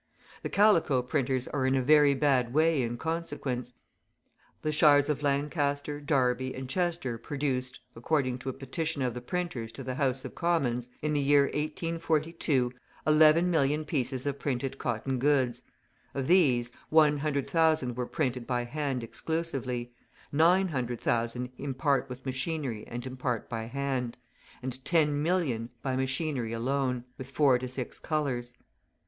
The calico printers are in a very bad way in consequence; the shires of Lancaster, Derby, and Chester produced (according to a petition of the printers to the House of Commons), in the year 1842, 11,000,000 pieces of printed cotton goods: of these, 100,000 were printed by hand exclusively, 900,000 in part with machinery and in part by hand, and 10,000,000 by machinery alone, with four to six colours.